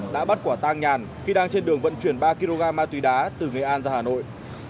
đã bắt quả tang nhàn khi đang trên đường vận chuyển ba kg ma túy đá từ nghệ an ra hà nội